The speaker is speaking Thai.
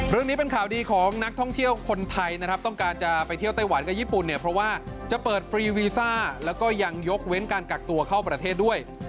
เรื่องนี้เป็นข่าวดีของนักท่องเที่ยวคนไทยนะครับต้องการจะไปเที่ยวไต้หวันกับญี่ปุ่นเนี่ยเพราะว่าจะเปิดฟรีวีซ่าแล้วก็ยังยกเว้นการกักตัวเข้าประเทศด้วย